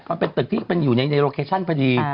มันเป็นตึกที่มันอยู่ในโลเคชันพอดี